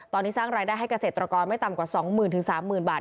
ตอนนี้สร้างรายได้ให้เกษตรกรไม่ต่ำกว่า๒๐๐๐๓๐๐บาท